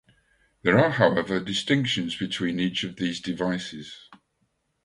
There are, however, distinctions between each of these devices.